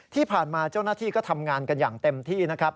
ที่ผ่านมาเจ้าหน้าที่ก็ทำงานกันอย่างเต็มที่นะครับ